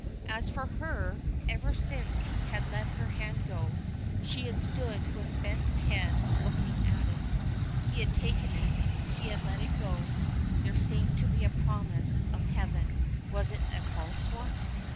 As for her. Ever since he had let her hand go, she had stood with bent head looking at it. He had taken it, he had let it go; there seemed to be a promise of heaven was it a false one?